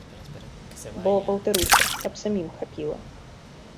Бо, паўтаруся, каб самім хапіла.